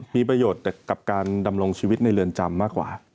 มีประโยชน์กับการดำรงชีวิตในเรือนจำมากกว่า